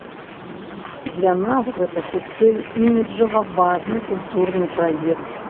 Для нас гэта хутчэй іміджава важны культурны праект.